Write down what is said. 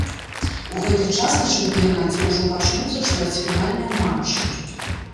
У гэты час на чэмпіянаце ўжо пачнуцца чвэрцьфінальныя матчы.